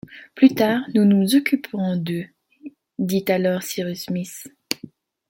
Plus tard, nous nous occuperons d’eux, dit alors Cyrus Smith